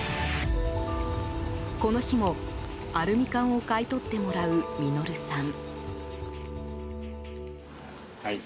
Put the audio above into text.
この日も、アルミ缶を買い取ってもらうミノルさん。